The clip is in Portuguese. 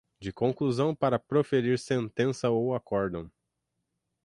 de conclusão para proferir sentença ou acórdão